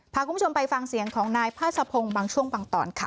พาคุณผู้ชมไปฟังเสียงของนายพาสะพงศ์บางช่วงบางตอนค่ะ